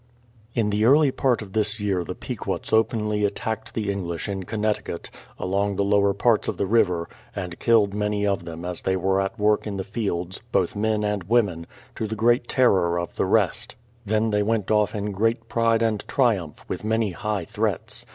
In the early part of this year the Pequots openly attacked the English in Connecticut, along the lower parts of the river, and killed many of them as they were at work in the fields, both men and women, to the great terror of the rest; then they went off in great pride and triumph, with many high tlireats.